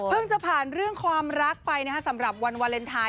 จะผ่านเรื่องความรักไปสำหรับวันวาเลนไทย